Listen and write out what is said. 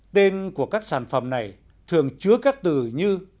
tên của các sản phẩm này thường chứa các từ như